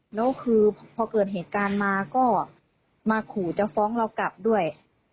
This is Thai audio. แล้วคือพอเกิดเหตุการณ์มาก็มาขู่จะฟ้องเรากลับด้วย